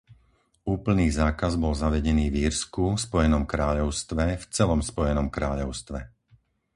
Úplný zákaz bol zavedený v Írsku, Spojenom kráľovstve, v celom Spojenom kráľovstve.